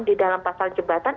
di dalam pasal jembatan